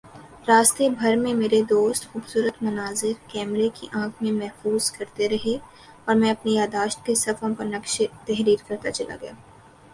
راستے بھر میں میرے دوست خوبصورت مناظر کیمرے کی آنکھ میں محفوظ کرتے رہے اور میں اپنی یادداشت کے صفحوں پر نقش تحریر کرتاچلا گیا